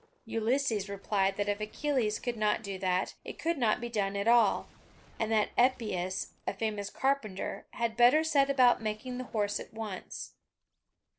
Ulysses replied that if Achilles could not do that, it could not be done at all, and that Epeius, a famous carpenter, had better set about making the horse at once.